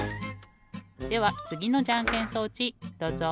ではつぎのじゃんけん装置どうぞ。